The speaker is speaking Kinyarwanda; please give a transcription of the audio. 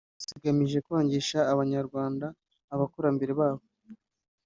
zigamije kwangisha Abanyarwanda abakurambere babo